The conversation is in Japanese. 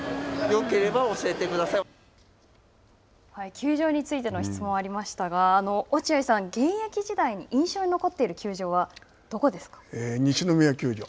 球場についての質問がありましたが、落合さん、現役時代に印象に残っている球場はどこですか。